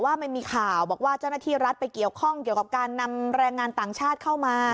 ว่ามันมีข่าวบอกว่าเจ้าหน้าที่รัฐไปเกี่ยวข้องเกี่ยวกับการนำแรงงานต่างชาติเข้ามา